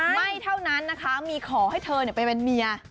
ไม่เท่านั้นนะคะมีขอให้เธอไปเป็นเมีย